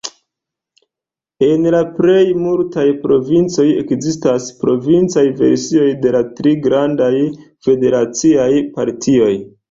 En la plej multaj provincoj ekzistas provincaj versioj de la tri grandaj federaciaj partioj.